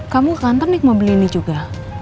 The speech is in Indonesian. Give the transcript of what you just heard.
kamu ke kantor nih mau beli ini juga